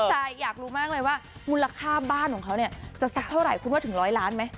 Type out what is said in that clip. ใจอยากรู้มากเลยว่ามูลค่าบ้านของเขาเนี่ยจะสักเท่าไหร่คุณว่าถึงร้อยล้านไหม